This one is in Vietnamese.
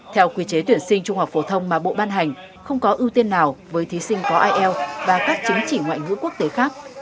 theo quy chế tuyển sinh trung học phổ thông mà bộ ban hành không có ưu tiên nào với thí sinh có ielts và các chứng chỉ ngoại ngữ quốc tế khác